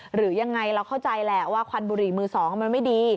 หรือยังไงเราเข้าใจแหละว่าควันบุหรี่มือสองมันไม่ดี